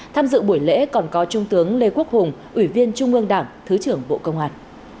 tham dự buổi lễ còn có trung tướng lê quốc hùng ủy viên trung ương đảng thứ trưởng bộ công an